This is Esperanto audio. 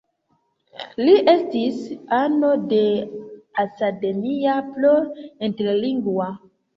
Li estis ano de Academia pro Interlingua.